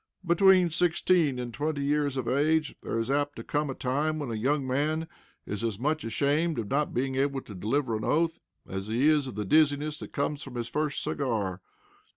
Between sixteen and twenty years of age there is apt to come a time when a young man is as much ashamed of not being able to deliver an oath as he is of the dizziness that comes from his first cigar.